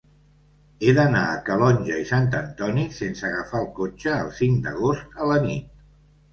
He d'anar a Calonge i Sant Antoni sense agafar el cotxe el cinc d'agost a la nit.